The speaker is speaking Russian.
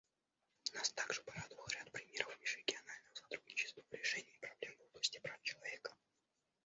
Нас также порадовал ряд примеров межрегионального сотрудничества в решении проблем в области прав человека.